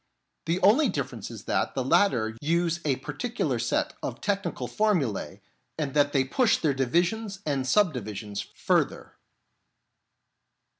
The only difference is that the latter use a particular set of technical formulae and that they push their divisions and sub divisions further.